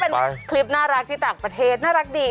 เป็นคลิปน่ารักที่ต่างประเทศน่ารักดี